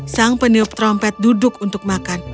sang peniup trompet duduk untuk makan